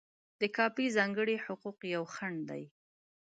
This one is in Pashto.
د کاپي ځانګړي حقوق یو خنډ دی.